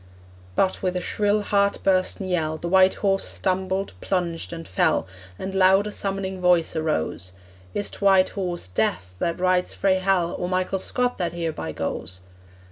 But, with a shrill heart bursten yell The white horse stumbled, plunged, and fell, And loud a summoning voice arose, 'Is't White Horse Death that rides frae Hell, Or Michael Scott that hereby goes?'